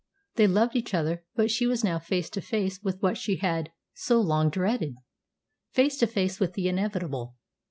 They loved each other, but she was now face to face with what she had so long dreaded face to face with the inevitable.